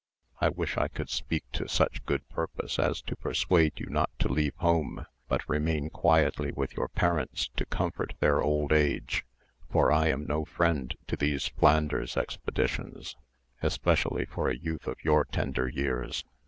I wish I could speak to such good purpose as to persuade you not to leave home, but remain quietly with your parents to comfort their old age; for I am no friend to these Flanders expeditions, especially for a youth of your tender years.